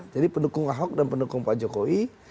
jadi pendukung ahok dan pendukung pak jokowi